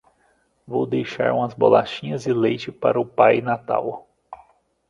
Vou deixar umas bolachinhas e leite para o Pai Natal.